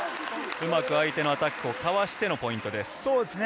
うまく相手のアタックをかわしてのポイントです。